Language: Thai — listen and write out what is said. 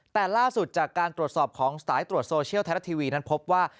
แต่ล่าสุดจากการตรวจสอบของสายตรวจโซเชียลไทยรัฐทีวีนั้นพบว่า